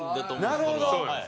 なるほど。